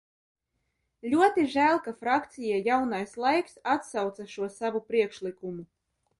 "Ļoti žēl, ka frakcija "Jaunais laiks" atsauca šo savu priekšlikumu."